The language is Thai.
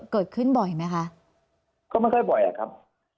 เกิดขึ้นบ่อยไหมคะก็ไม่ค่อยบ่อยอะครับ